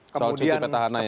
soal cuti petahana ya